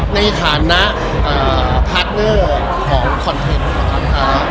ในฐานะพาร์ทเนอร์รของคออนเทนต์